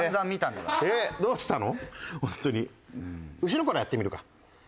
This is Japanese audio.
後ろからやってみるか。